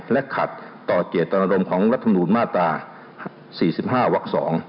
และขัดต่อเจตนารมณ์ของรัฐมนูลมาตรา๔๕วัก๒